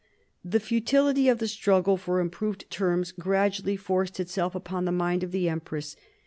The futility of the struggle for improved terms gradually forced itself upon the mind of the empress.